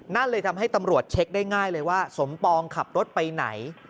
นั่นเลยทำให้ตำรวจเช็คได้ง่ายเลยว่าสมปองขับรถไปไหน